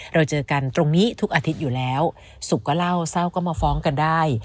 เราเจอกันตรงนี้ทุกอาทิตย์อยู่แล้วสุขก็เล่าเศร้าก็มาฟ้องกันได้